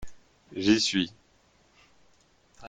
J'y suis